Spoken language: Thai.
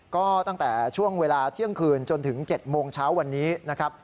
ก็ตั้งแต่ช่วงเวลาเที่ยงคืนจนถึง๗โมงเช้าวันนี้นะครับ